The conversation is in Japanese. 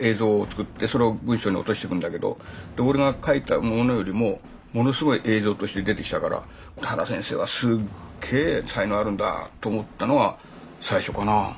映像を作ってそれを文章に落としてくんだけど俺が書いたものよりもものすごい映像として出てきたから原先生はすっげえ才能あるんだと思ったのが最初かなあ。